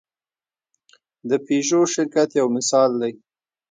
د پيژو شرکت یو مثال دی.